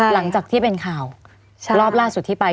หลังจากที่เป็นข่าวรอบล่าสุดที่ไป